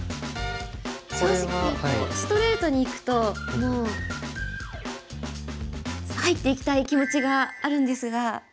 正直ストレートにいくともう入っていきたい気持ちがあるんですが。